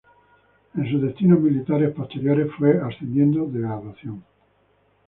En sus destinos militares posteriores fue ascendiendo de graduación.